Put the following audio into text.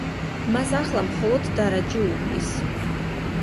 მას ახლა მხოლოდ დარაჯი უვლის.